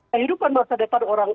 kehidupan masa depan orang